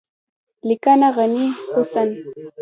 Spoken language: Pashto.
لیکنه: غني حسن